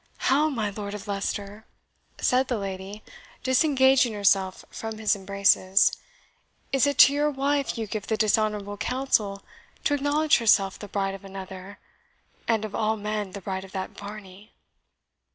"How, my Lord of Leicester!" said the lady, disengaging herself from his embraces; "is it to your wife you give the dishonourable counsel to acknowledge herself the bride of another and of all men, the bride of that Varney?"